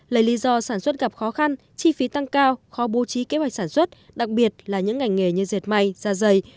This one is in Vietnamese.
lấy lý do sản xuất gặp khó khăn chi phí tăng cao khó bố trí kế hoạch sản xuất đặc biệt là những ngành nghề như dệt may da dày